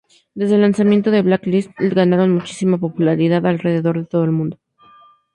Desde el lanzamiento de Blacklist ganaron muchísima popularidad alrededor de todo el mundo.